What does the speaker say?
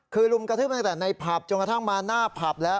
คือลุมกระทืบตั้งแต่ในผับจนกระทั่งมาหน้าผับแล้ว